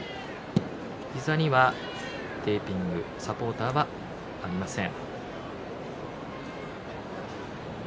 膝にはテーピングサポーターはありません。